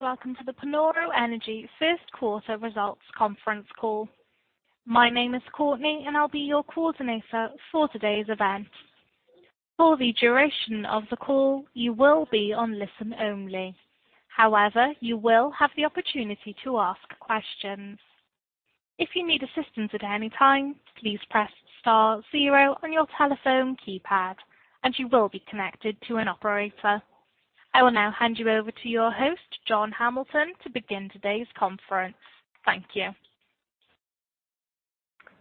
Welcome to the Panoro Energy first quarter results conference call. My name is Courtney, and I'll be your coordinator for today's event. For the duration of the call, you will be on listen-only. However, you will have the opportunity to ask questions. If you need assistance at any time, please press star zero on your telephone keypad, and you will be connected to an operator. I will now hand you over to your host, John Hamilton, to begin today's conference. Thank you.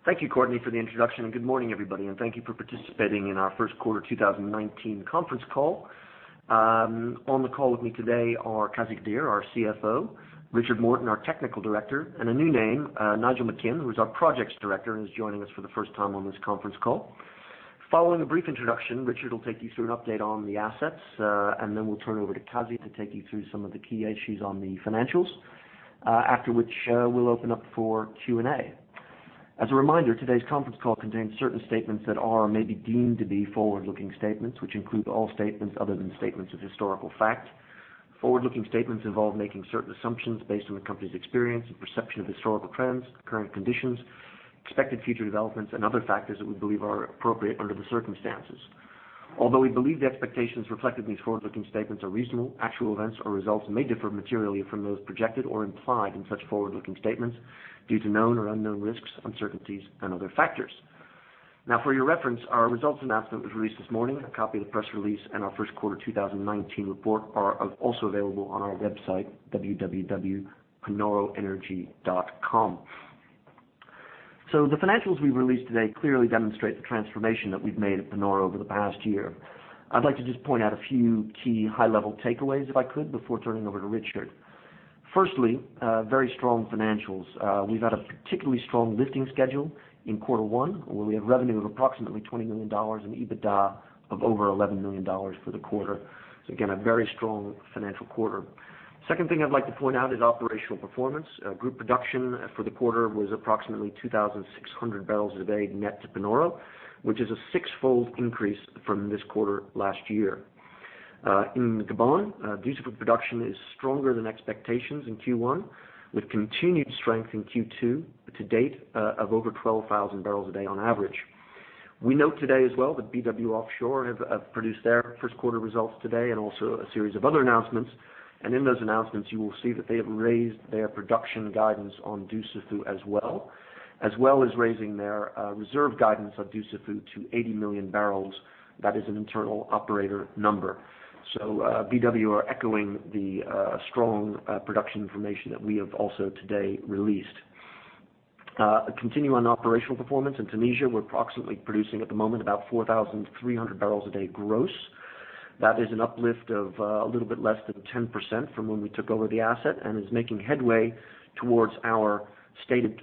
Thank you, Courtney, for the introduction, good morning, everybody, and thank you for participating in our first quarter 2019 conference call. On the call with me today are Qazi Qadeer, our CFO, Richard Morton, our technical director, and a new name, Nigel McKim, who is our projects director and is joining us for the first time on this conference call. Following a brief introduction, Richard will take you through an update on the assets, then we'll turn it over to Qazi to take you through some of the key issues on the financials, after which, we'll open up for Q&A. As a reminder, today's conference call contains certain statements that are, or may be deemed to be, forward-looking statements, which include all statements other than statements of historical fact. Forward-looking statements involve making certain assumptions based on the company's experience and perception of historical trends, current conditions, expected future developments, and other factors that we believe are appropriate under the circumstances. Although we believe the expectations reflected in these forward-looking statements are reasonable, actual events or results may differ materially from those projected or implied in such forward-looking statements due to known or unknown risks, uncertainties and other factors. For your reference, our results announcement was released this morning. A copy of the press release and our first quarter 2019 report are also available on our website, www.panoroenergy.com. The financials we released today clearly demonstrate the transformation that we've made at Panoro over the past year. I'd like to just point out a few key high-level takeaways, if I could, before turning over to Richard. Firstly, very strong financials. We've had a particularly strong lifting schedule in quarter one, where we have revenue of approximately $20 million and EBITDA of over $11 million for the quarter. Again, a very strong financial quarter. Second thing I'd like to point out is operational performance. Group production for the quarter was approximately 2,600 barrels a day net to Panoro, which is a six-fold increase from this quarter last year. In Gabon, Dussafu production is stronger than expectations in Q1 with continued strength in Q2 to date of over 12,000 barrels a day on average. We note today as well that BW Offshore have produced their first quarter results today and also a series of other announcements. In those announcements, you will see that they have raised their production guidance on Dussafu as well, as well as raising their reserve guidance of Dussafu to 80 million barrels. That is an internal operator number. BW are echoing the strong production information that we have also today released. Continue on operational performance. In Tunisia, we are approximately producing at the moment about 4,300 barrels a day gross. That is an uplift of a little bit less than 10% from when we took over the asset and is making headway towards our stated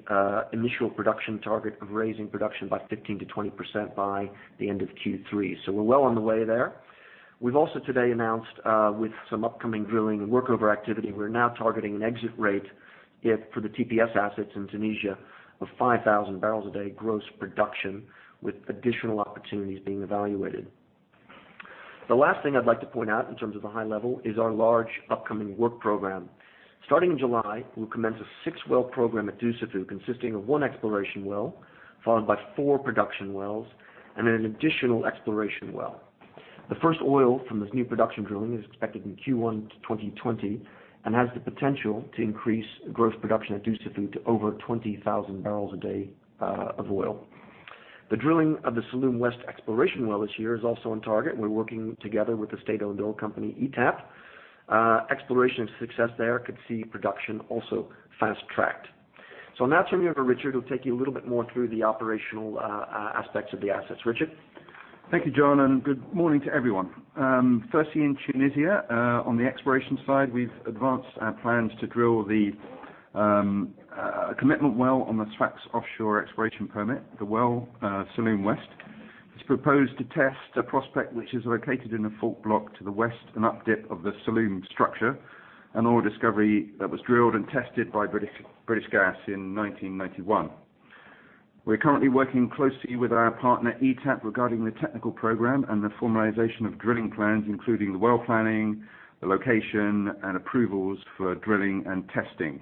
initial production target of raising production by 15%-20% by the end of Q3. We are well on the way there. We have also today announced with some upcoming drilling and workover activity, we are now targeting an exit rate for the TPS assets in Tunisia of 5,000 barrels a day gross production, with additional opportunities being evaluated. The last thing I would like to point out in terms of the high level is our large upcoming work program. Starting in July, we will commence a six-well program at Dussafu, consisting of one exploration well, followed by four production wells and an additional exploration well. The first oil from this new production drilling is expected in Q1 2020 and has the potential to increase gross production at Dussafu to over 20,000 barrels a day of oil. The drilling of the Salloum West exploration well this year is also on target. We are working together with the state-owned oil company, ETAP. Exploration success there could see production also fast-tracked. On that, I will hand over to Richard, who will take you a little bit more through the operational aspects of the assets. Richard? Thank you, John, and good morning to everyone. Firstly, in Tunisia, on the exploration side, we have advanced our plans to drill the commitment well on the Sfax offshore exploration permit. The well, Salloum West, is proposed to test a prospect which is located in a fault block to the west and up dip of the Salloum structure, an oil discovery that was drilled and tested by British Gas in 1991. We are currently working closely with our partner, ETAP, regarding the technical program and the formalization of drilling plans, including the well planning, the location, and approvals for drilling and testing.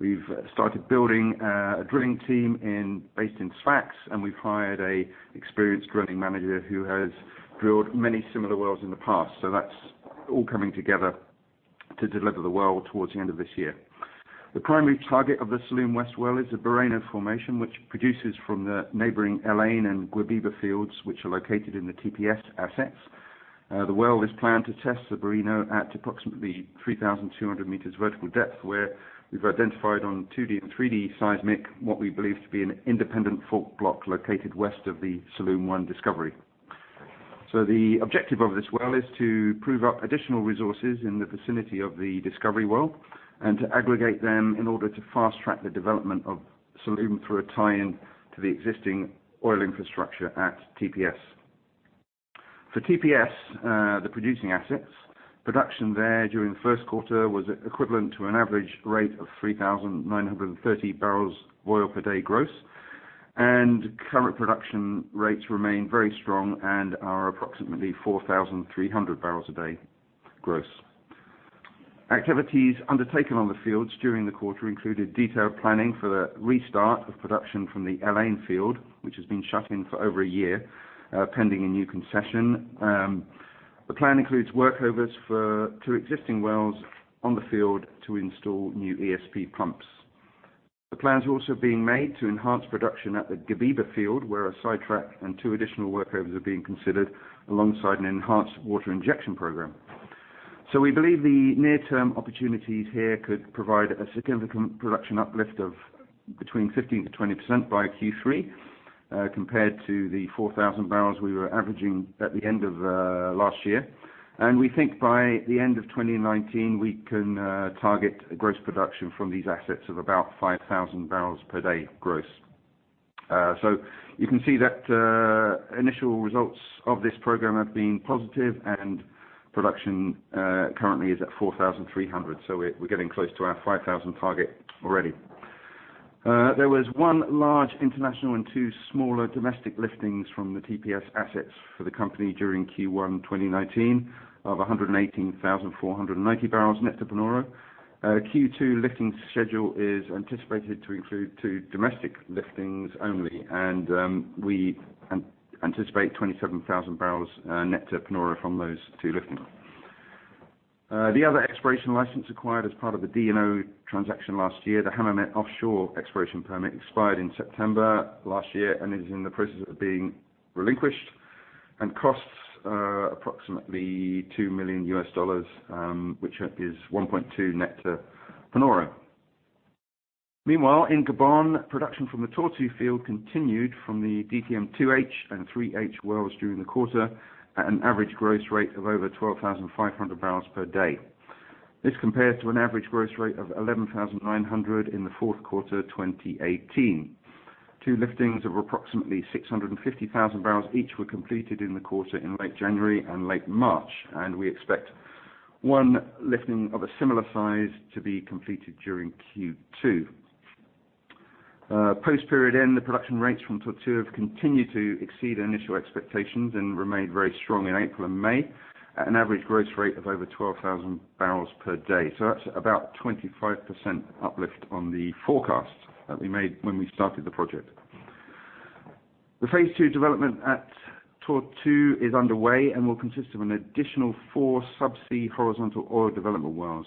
We have started building a drilling team based in Sfax, and we have hired an experienced drilling manager who has drilled many similar wells in the past. That is all coming together to deliver the well towards the end of this year. The primary target of the Salloum West Well is the Bireno formation, which produces from the neighboring El Ain and Guebiba fields, which are located in the TPS assets. The well is planned to test the Bireno at approximately 3,200 meters vertical depth, where we have identified on 2D and 3D seismic what we believe to be an independent fault block located west of the Salloum-1 discovery. The objective of this well is to prove up additional resources in the vicinity of the discovery well and to aggregate them in order to fast-track the development of Salloum through a tie-in to the existing oil infrastructure at TPS. For TPS, the producing assets, production there during the first quarter was equivalent to an average rate of 3,930 barrels oil per day gross. Current production rates remain very strong and are approximately 4,300 barrels a day gross. Activities undertaken on the fields during the quarter included detailed planning for the restart of production from the El Ain field, which has been shut in for over a year, pending a new concession. The plan includes workovers to existing wells on the field to install new ESP pumps. The plans are also being made to enhance production at the Guebiba field, where a sidetrack and two additional workovers are being considered alongside an enhanced water injection program. We believe the near-term opportunities here could provide a significant production uplift of between 15%-20% by Q3, compared to the 4,000 barrels we were averaging at the end of last year. We think by the end of 2019, we can target gross production from these assets of about 5,000 barrels per day gross. You can see that initial results of this program have been positive and production currently is at 4,300. We are getting close to our 5,000 target already. There was one large international and two smaller domestic liftings from the TPS assets for the company during Q1 2019 of 118,490 barrels net to Panoro. Q2 lifting schedule is anticipated to include two domestic liftings only, and we anticipate 27,000 barrels net to Panoro from those two liftings. The other exploration license acquired as part of the DNO transaction last year, the Hammamet offshore exploration permit, expired in September last year and is in the process of being relinquished and costs are approximately $2 million, which is $1.2 million net to Panoro. Meanwhile, in Gabon, production from the Tortue field continued from the DTM-2H and 3H wells during the quarter at an average gross rate of over 12,500 barrels per day. This compares to an average gross rate of 11,900 in the fourth quarter 2018. Two liftings of approximately 650,000 barrels each were completed in the quarter in late January and late March, and we expect one lifting of a similar size to be completed during Q2. Post period end, the production rates from Tortue have continued to exceed initial expectations and remained very strong in April and May at an average gross rate of over 12,000 barrels per day. That is about 25% uplift on the forecast that we made when we started the project. The phase 2 development at Tortue is underway and will consist of an additional four subsea horizontal oil development wells.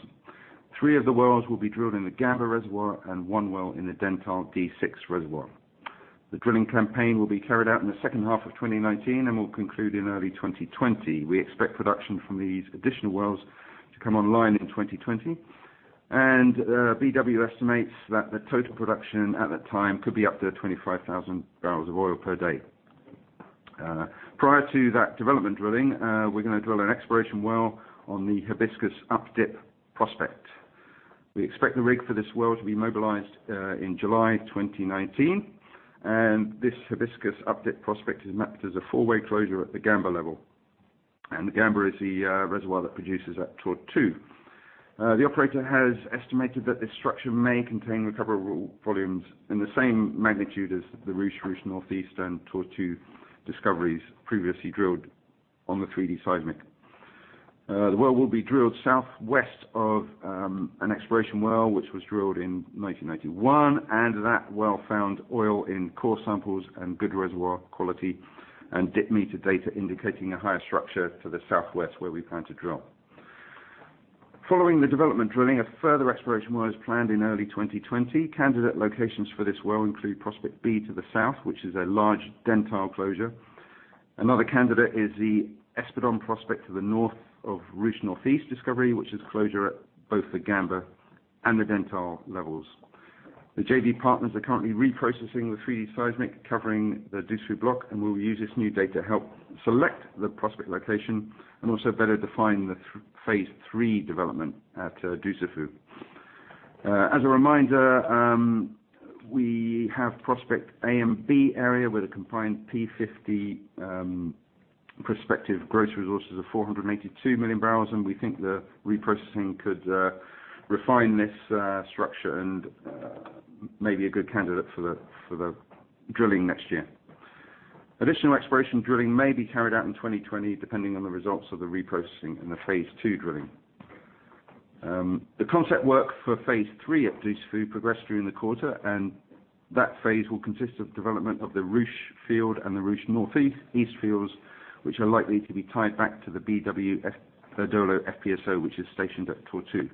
Three of the wells will be drilled in the Gamba reservoir and one well in the Dentale D6 reservoir. The drilling campaign will be carried out in the second half of 2019 and will conclude in early 2020. We expect production from these additional wells to come online in 2020. BW estimates that the total production at that time could be up to 25,000 barrels of oil per day. Prior to that development drilling, we are going to drill an exploration well on the Hibiscus UpDip prospect. We expect the rig for this well to be mobilized in July 2019, and this Hibiscus UpDip prospect is mapped as a four-way closure at the Gamba level. The Gamba is the reservoir that produces at Tortue. The operator has estimated that this structure may contain recoverable volumes in the same magnitude as the Ruche, Ruche Northeast, and Tortue discoveries previously drilled on the 3D seismic. The well will be drilled southwest of an exploration well, which was drilled in 1991, and that well found oil in core samples and good reservoir quality and dip meter data indicating a higher structure to the southwest where we plan to drill. Following the development drilling, a further exploration well is planned in early 2020. Candidate locations for this well include Prospect B to the south, which is a large Dentale closure. Another candidate is the Espadon Prospect to the north of Ruche Northeast discovery, which is closure at both the Gamba and the Dentale levels. The JV partners are currently reprocessing the 3D seismic covering the Dussafu block and will use this new data to help select the prospect location and also better define the phase 3 development at Dussafu. As a reminder, we have Prospect A and B area with a combined P50 prospective gross resources of 482 million barrels, and we think the reprocessing could refine this structure and may be a good candidate for the drilling next year. Additional exploration drilling may be carried out in 2020, depending on the results of the reprocessing and the phase 2 drilling. The concept work for phase 3 at Dussafu progressed during the quarter, and that phase will consist of development of the Ruche field and the Ruche Northeast fields, which are likely to be tied back to the BW Adolo FPSO, which is stationed at Tortue.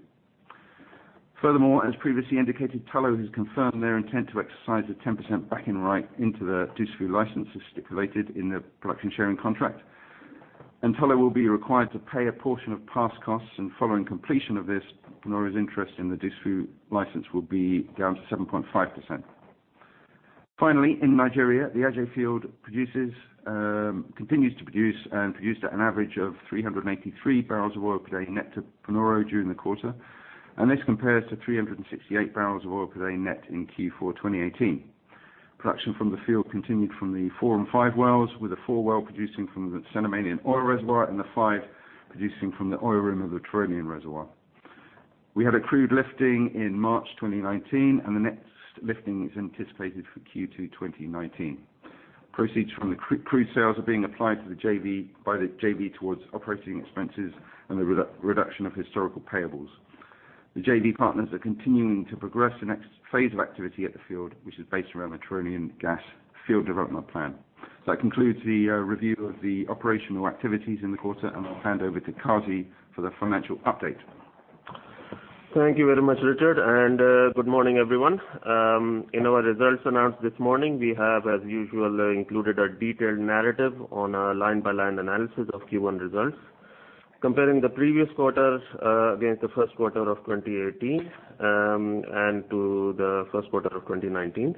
Furthermore, as previously indicated, Tullow has confirmed their intent to exercise a 10% backing right into the Dussafu license as stipulated in the production sharing contract. Tullow will be required to pay a portion of past costs, and following completion of this, Panoro's interest in the Dussafu license will be down to 7.5%. Finally, in Nigeria, the Aje field continues to produce and produced at an average of 383 barrels of oil per day net to Panoro during the quarter. This compares to 368 barrels of oil per day net in Q4 2018. Production from the field continued from the four and five wells, with the four well producing from the Cenomanian oil reservoir and the five producing from the Orindi of the Turonian reservoir. We had accrued lifting in March 2019, and the next lifting is anticipated for Q2 2019. Proceeds from the accrued sales are being applied by the JV towards operating expenses and the reduction of historical payables. The JV partners are continuing to progress the next phase of activity at the field, which is based around the Turonian gas field development plan. That concludes the review of the operational activities in the quarter, and I'll hand over to Qazi for the financial update. Thank you very much, Richard. Good morning, everyone. In our results announced this morning, we have, as usual, included a detailed narrative on our line-by-line analysis of Q1 results. Comparing the previous quarters against the first quarter of 2018, and to the first quarter of 2019.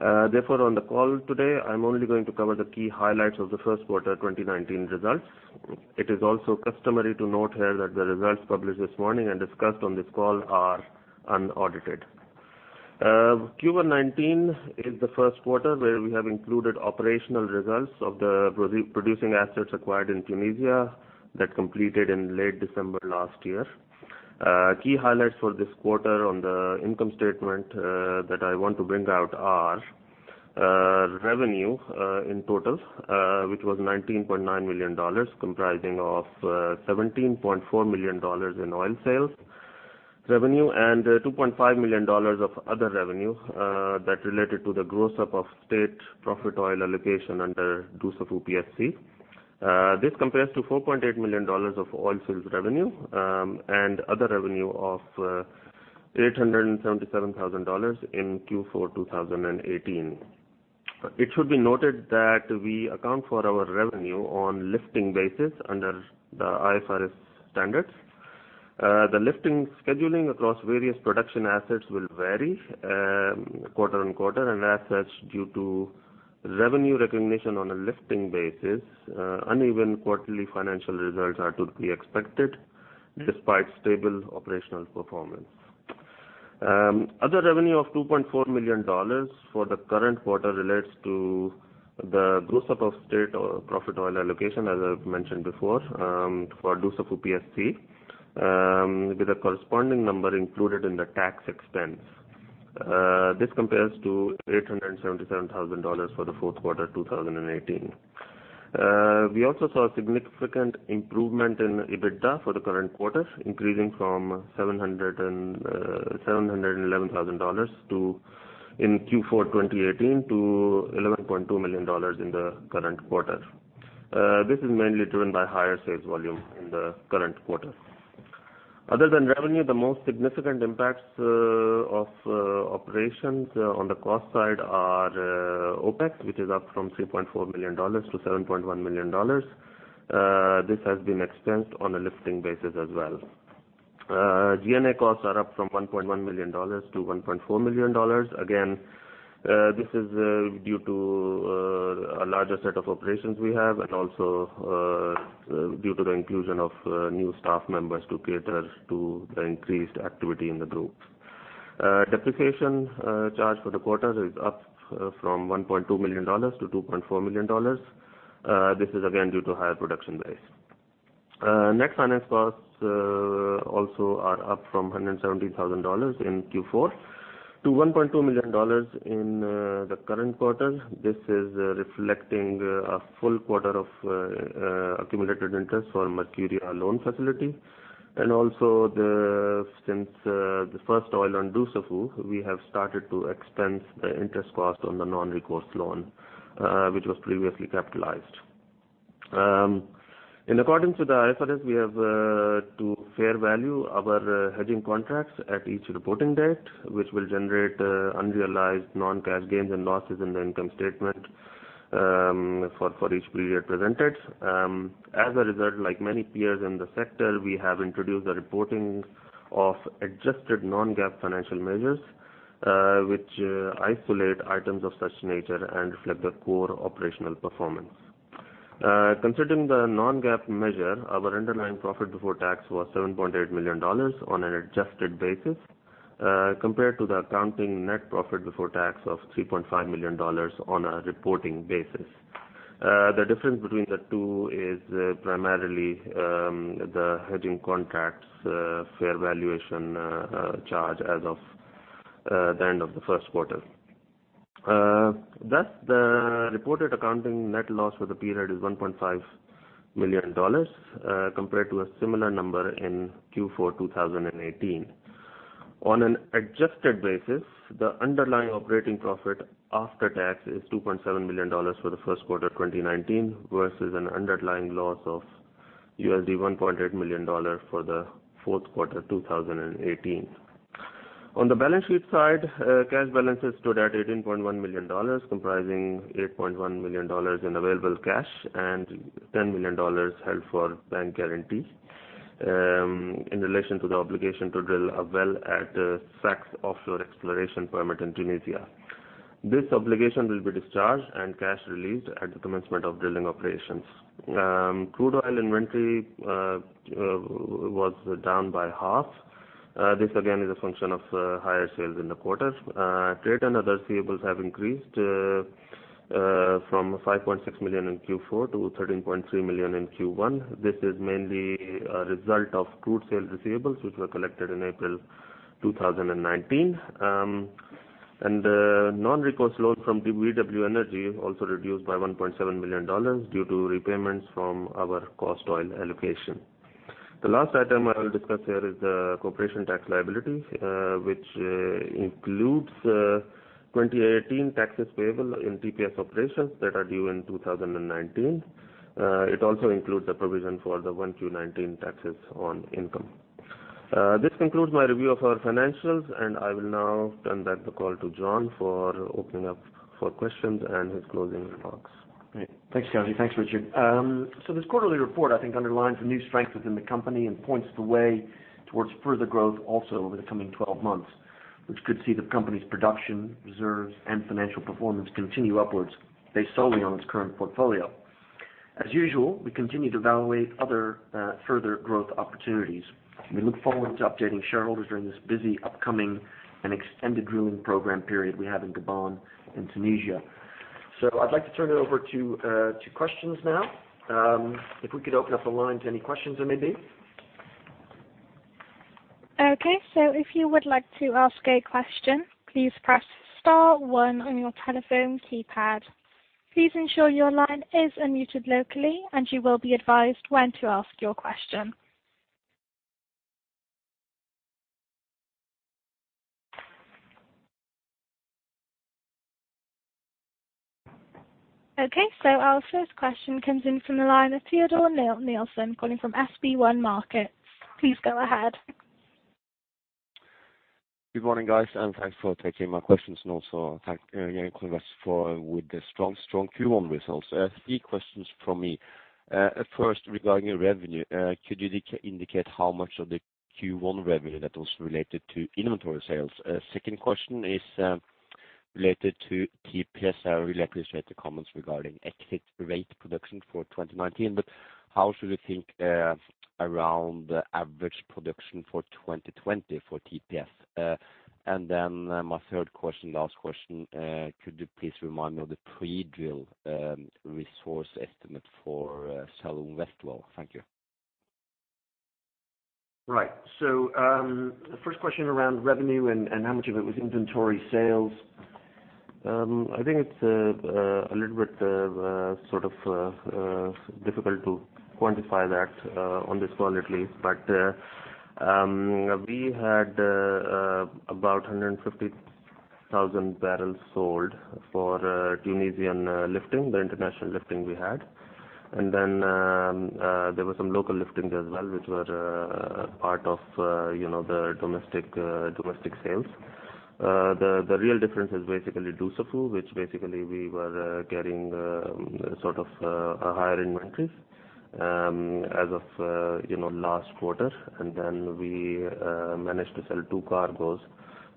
On the call today, I'm only going to cover the key highlights of the first quarter 2019 results. It is also customary to note here that the results published this morning and discussed on this call are unaudited. Q1 '19 is the first quarter where we have included operational results of the producing assets acquired in Tunisia that completed in late December last year. Key highlights for this quarter on the income statement that I want to bring out are revenue in total which was $19.9 million, comprising of $17.4 million in oil sales revenue and $2.5 million of other revenue that related to the gross up of state profit oil allocation under Dussafu PSC. This compares to $4.8 million of oil sales revenue and other revenue of $877,000 in Q4 2018. It should be noted that we account for our revenue on a lifting basis under the IFRS standards. The lifting scheduling across various production assets will vary quarter-on-quarter, as such, due to revenue recognition on a lifting basis, uneven quarterly financial results are to be expected despite stable operational performance. Other revenue of $2.4 million for the current quarter relates to the gross up of state or profit oil allocation, as I've mentioned before for Dussafu PSC, with a corresponding number included in the tax expense. This compares to $877,000 for the fourth quarter 2018. We also saw a significant improvement in EBITDA for the current quarter, increasing from $711,000 in Q4 2018 to $11.2 million in the current quarter. This is mainly driven by higher sales volume in the current quarter. Other than revenue, the most significant impacts of operations on the cost side are OPEX, which is up from $3.4 million to $7.1 million. This has been expensed on a lifting basis as well. G&A costs are up from $1.1 million to $1.4 million. This is due to a larger set of operations we have and also due to the inclusion of new staff members to cater to the increased activity in the group. Depreciation charge for the quarter is up from $1.2 million to $2.4 million. This is again due to higher production base. Net finance costs also are up from $170,000 in Q4 to $1.2 million in the current quarter. This is reflecting a full quarter of accumulated interest for Mercuria loan facility. Since the first oil on Dussafu, we have started to expense the interest cost on the non-recourse loan, which was previously capitalized. In accordance with the IFRS, we have to fair value our hedging contracts at each reporting date, which will generate unrealized non-GAAP gains and losses in the income statement for each period presented. As a result, like many peers in the sector, we have introduced a reporting of adjusted non-GAAP financial measures, which isolate items of such nature and reflect the core operational performance. Considering the non-GAAP measure, our underlying profit before tax was $7.8 million on an adjusted basis compared to the accounting net profit before tax of $3.5 million on a reporting basis. The difference between the two is primarily the hedging contracts fair valuation charge as of the end of the first quarter. Thus, the reported accounting net loss for the period is $1.5 million, compared to a similar number in Q4 2018. On an adjusted basis, the underlying operating profit after tax is $2.7 million for the first quarter 2019 versus an underlying loss of $1.8 million for the fourth quarter 2018. On the balance sheet side, cash balances stood at $18.1 million, comprising $8.1 million in available cash and $10 million held for bank guarantees in relation to the obligation to drill a well at the Sfax offshore exploration permit in Tunisia. This obligation will be discharged and cash released at the commencement of drilling operations. Crude oil inventory was down by half. This again is a function of higher sales in the quarter. Trade and other payables have increased from $5.6 million in Q4 to $13.3 million in Q1. The non-recourse loan from BW Energy also reduced by $1.7 million due to repayments from our cost oil allocation. This is mainly a result of crude sales receivables, which were collected in April 2019. The last item I will discuss here is the corporation tax liability, which includes 2018 taxes payable in TPS operations that are due in 2019. It also includes a provision for the 1 Q19 taxes on income. This concludes my review of our financials, and I will now turn back the call to John for opening up for questions and his closing remarks. Great. Thanks, Qazi. Thanks, Richard. This quarterly report, I think, underlines the new strength within the company and points the way towards further growth also over the coming 12 months, which could see the company's production, reserves, and financial performance continue upwards based solely on its current portfolio. As usual, we continue to evaluate other further growth opportunities. We look forward to updating shareholders during this busy, upcoming, and extended drilling program period we have in Gabon and Tunisia. I'd like to turn it over to questions now. If we could open up the line to any questions there may be. Okay. If you would like to ask a question, please press star one on your telephone keypad. Please ensure your line is unmuted locally, and you will be advised when to ask your question. Okay. Our first question comes in from the line of Teodor Nilsen calling from SB1 Markets. Please go ahead. Good morning, guys, thanks for taking my questions, also thank you again, congrats with the strong Q1 results. Three questions from me. First, regarding your revenue, could you indicate how much of the Q1 revenue that was related to inventory sales? Second question is related to TPS. I really appreciate the comments regarding exit rate production for 2019, how should we think around the average production for 2020 for TPS? My third question, last question, could you please remind me of the pre-drill resource estimate for Salloum West Well? Thank you. Right. The first question around revenue and how much of it was inventory sales. I think it's a little bit difficult to quantify that on this call, at least. We had about 150,000 barrels sold for Tunisian lifting, the international lifting we had. There were some local liftings as well, which were part of the domestic sales. The real difference is basically Dussafu, which basically we were carrying a higher inventory as of last quarter, we managed to sell two cargoes.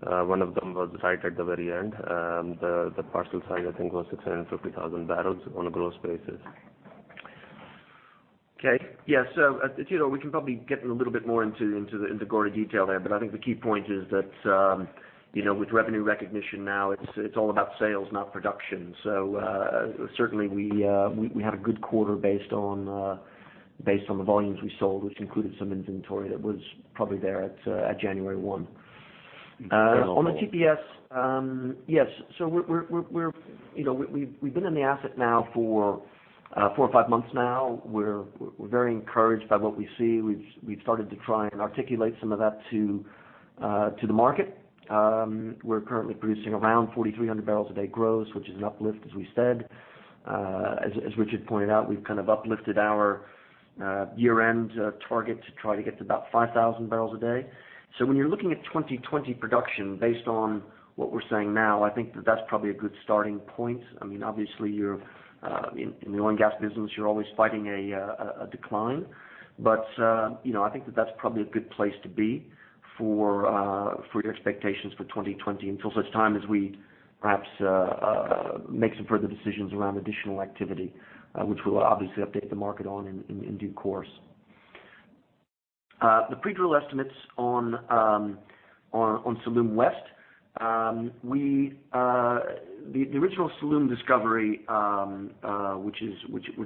One of them was right at the very end. The parcel size, I think, was 650,000 barrels on a gross basis. Okay. Yeah. We can probably get a little bit more into the gory detail there. I think the key point is that with revenue recognition now, it's all about sales, not production. Certainly we had a good quarter based on the volumes we sold, which included some inventory that was probably there at January 1. On the TPS, yes. We've been in the asset now for four or five months now. We're very encouraged by what we see. We've started to try and articulate some of that to the market. We're currently producing around 4,300 barrels a day gross, which is an uplift, as we said. As Richard pointed out, we've uplifted our year-end target to try to get to about 5,000 barrels a day. When you're looking at 2020 production based on what we're saying now, I think that that's probably a good starting point. Obviously, in the oil and gas business, you're always fighting a decline. I think that that's probably a good place to be for your expectations for 2020 until such time as we perhaps make some further decisions around additional activity, which we'll obviously update the market on in due course. The pre-drill estimates on Salloum West. The original Salloum discovery, which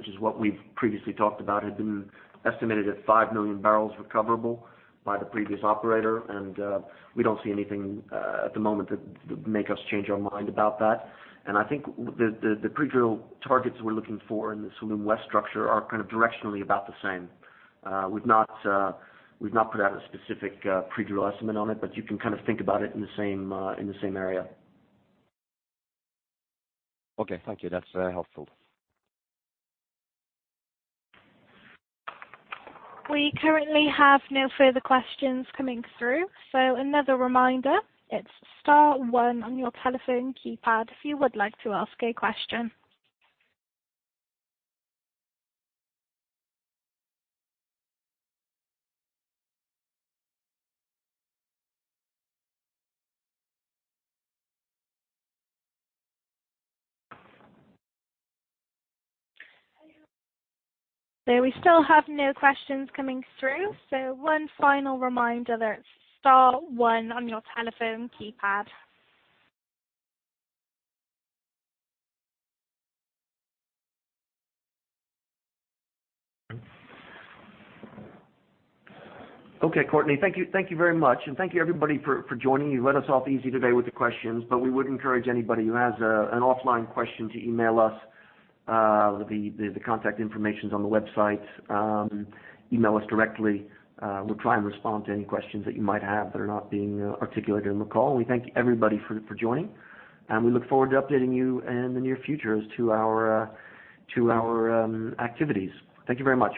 is what we've previously talked about, had been estimated at 5 million barrels recoverable by the previous operator, and we don't see anything at the moment that would make us change our mind about that. I think the pre-drill targets we're looking for in the Salloum West structure are directionally about the same. We've not put out a specific pre-drill estimate on it, you can think about it in the same area. Okay. Thank you. That's very helpful. We currently have no further questions coming through, another reminder, it's star one on your telephone keypad if you would like to ask a question. We still have no questions coming through, one final reminder that it's star one on your telephone keypad. Okay, Courtney. Thank you very much. Thank you everybody for joining. You let us off easy today with the questions, we would encourage anybody who has an offline question to email us. The contact information is on the website. Email us directly. We'll try and respond to any questions that you might have that are not being articulated on the call. We thank everybody for joining, we look forward to updating you in the near future as to our activities. Thank you very much.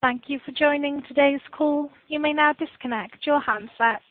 Thank you for joining today's call. You may now disconnect your handsets.